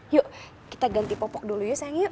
yuk kita ganti popok dulu yuk sayang yuk